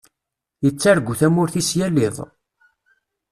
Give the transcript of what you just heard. Yettargu tamurt-is yal iḍ.